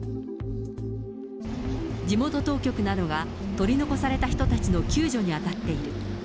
地元当局などが取り残された人たちの救助に当たっている。